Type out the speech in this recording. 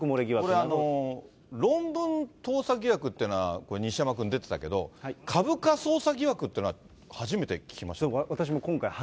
これ、論文盗作疑惑っていうのは、これ、西山君、出てたけど、株価操作疑惑っていうのは初めて聞きました。